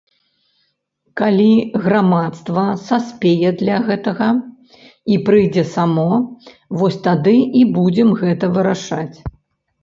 Калі грамадства саспее для гэтага і прыйдзе само, вось тады і будзем гэта вырашаць.